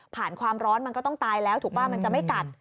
ความร้อนมันก็ต้องตายแล้วถูกป่ะมันจะไม่กัด